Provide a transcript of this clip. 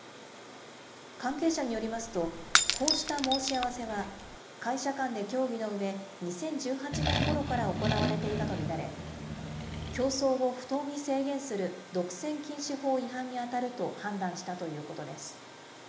関係者によりますと、こうした申し合わせは会社間で協議のうえ、２０１８年ごろから行われていたと見られ、競争を不当に制限する独占禁止法違反に当たると判断したということです。